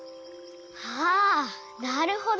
ああなるほど！